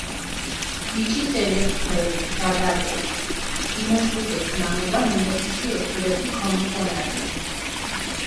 იჩის ენეფქ ბრელი, რაგადეს, გინოჭყვიდეს ნამუდა, მუნეფიში ოსურეფი ქიმიჸონანინი.